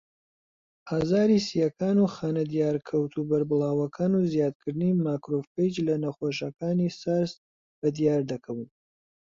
ئازاری سییەکان و خانە دیارکەوتوو بەربڵاوەکان و زیادکردنی ماکرۆفەیج لە نەخۆشەکانی سارس بەدیاردەکەون.